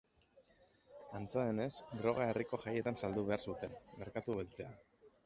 Antza denez, droga herriko jaietan saldu behar zuten, merkatu beltzean.